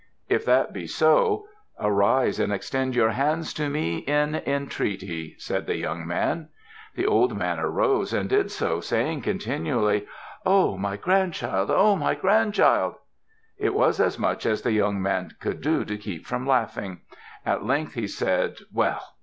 "If that be so, arise and extend your hands to me in entreaty," said the young man. The old man arose and did so, saying continually, "Oh! My grandchild! Oh! My grandchild!" It was as much as the young man could do to keep from laughing. At length he said, "Well!